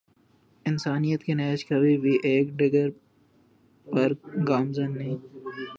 انسانیت کی نہج کبھی بھی ایک ڈگر پر گامزن نہیں